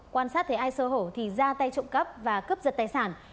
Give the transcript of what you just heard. quan sát thấy ai sơ hổ thì ra tay trộm cắp và cấp giật tài sản